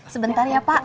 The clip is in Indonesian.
sebentar ya pak